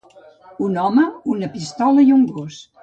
Un home, una pistola i un gos.